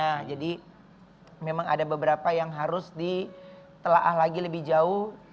nah jadi memang ada beberapa yang harus ditelaah lagi lebih jauh